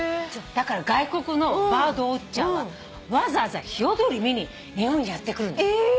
だから外国のバードウオッチャーはわざわざヒヨドリ見に日本にやって来るの。